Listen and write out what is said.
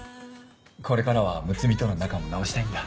これからは睦美との仲も直したいんだ。